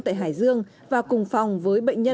tại hải dương và cùng phòng với bệnh nhân một nghìn ba mươi bốn